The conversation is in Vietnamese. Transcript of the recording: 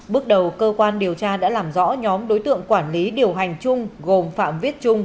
bước đầu cơ quan điều tra đã làm rõ nhóm đối tượng quản lý điều hành chung gồm phạm viết trung